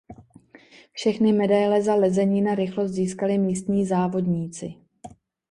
Všechny medaile za lezení na rychlost získali místní závodníci.